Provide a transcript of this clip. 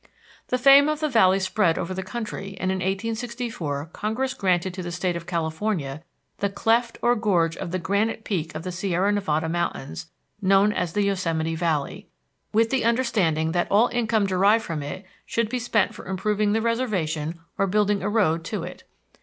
The fame of the valley spread over the country and in 1864 Congress granted to the State of California "the Cleft or Gorge of the Granite Peak of the Sierra Nevada Mountains" known as the Yosemite Valley, with the understanding that all income derived from it should be spent for improving the reservation or building a road to it.